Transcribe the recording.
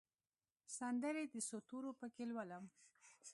سندرې د څو تورو پکښې لولم